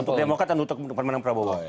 untuk demokrat dan untuk pemenang prabowo